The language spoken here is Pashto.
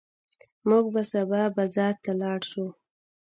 موږ به سبا بازار ته لاړ شو.